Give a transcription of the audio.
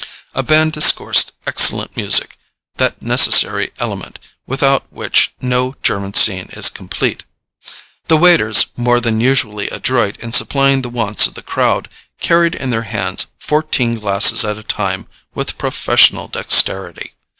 A band discoursed excellent music, that necessary element, without which no German scene is complete. The waiters, more than usually adroit in supplying the wants of the crowd, carried in their hands fourteen glasses at a time with professional dexterity.